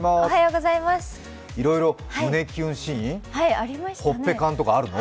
いろいろ胸キュンシーン、ほっぺ缶とかあるの？